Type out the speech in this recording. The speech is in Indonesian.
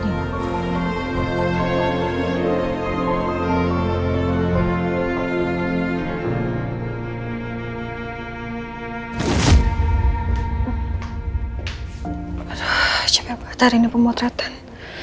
aduh capek banget hari ini pemotretan